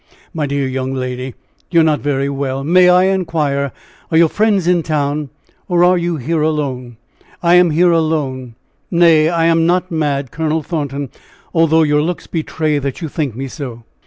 "My dear young lady, you are not very well. May I inquire are your friends in town, or are you here alone?" "I am here alone. Nay, I am not mad, Colonel Thornton, although your looks betray that you think me so."